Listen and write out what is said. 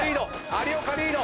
有岡リード！